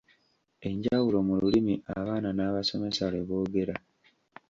Enjawulo mu lulimi abaana n’abasomesa lwe boogera.